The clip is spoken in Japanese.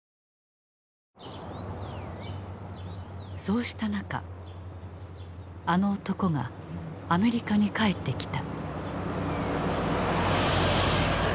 そうした中あの男がアメリカに帰ってきた。